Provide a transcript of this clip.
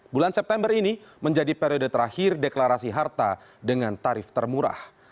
bulan september ini menjadi periode terakhir deklarasi harta dengan tarif termurah